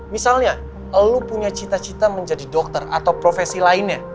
misalnya lu punya cita cita menjadi dokter atau profesi lainnya